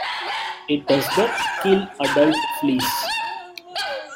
It does not kill adult fleas.